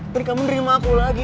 terus kamu nerima aku lagi